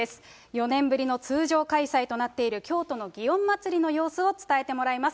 ４年ぶりの通常開催となっている京都の祇園祭の様子を伝えてもらいます。